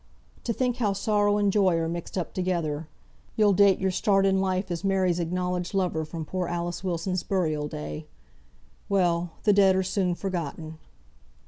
"To think how sorrow and joy are mixed up together. You'll date your start in life as Mary's acknowledged lover from poor Alice Wilson's burial day. Well! the dead are soon forgotten!"